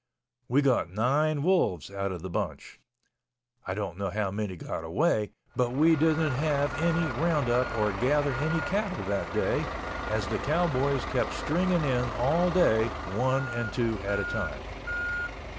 We got nine wolves out of the bunch—I don't know how many got away—but we didn't have any roundup or gather any cattle that day, as the cowboys kept stringing in all day, one and two at a time.